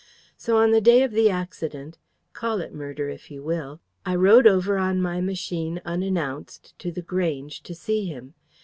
"So on the day of the accident call it murder, if you will I rode over on my machine, unannounced, to The Grange to see him.